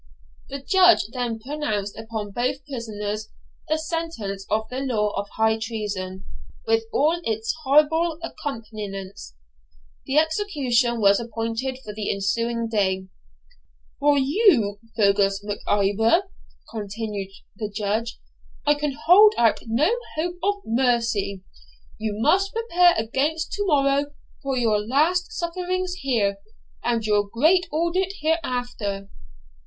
The Judge then pronounced upon both prisoners the sentence of the law of high treason, with all its horrible accompaniments. The execution was appointed for the ensuing day. 'For you, Fergus Mac Ivor,' continued the Judge, 'I can hold out no hope of mercy. You must prepare against to morrow for your last sufferings here, and your great audit hereafter.'